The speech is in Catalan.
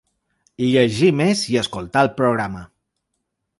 Llegir més i escoltar el programa.